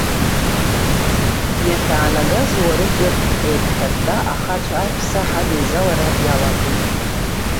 Иахьаанагаз уара идыр, еиԥхьытта ахацәа, аҳәса ҳадеизалара иалагеит.